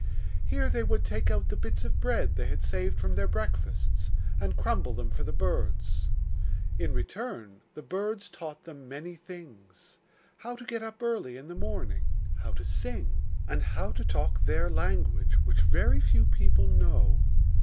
Here they would take out the bits of bread they had saved from their breakfasts and crumble them for the birds. In return, the birds taught them many things: how to get up early in the morning, how to sing, and how to talk their language, which very few people know.